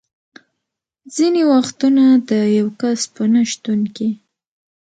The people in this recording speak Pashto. ځینې وختونه د یو کس په نه شتون کې.